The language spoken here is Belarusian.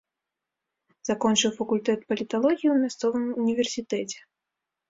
Закончыў факультэт паліталогіі ў мясцовым універсітэце.